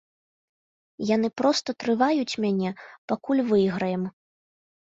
Яны проста трываюць мяне, пакуль выйграем.